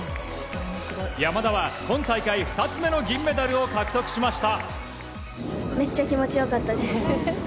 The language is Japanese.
山田は今大会２つ目の銀メダルを獲得しました。